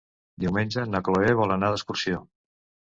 Diumenge na Cloè vol anar d'excursió.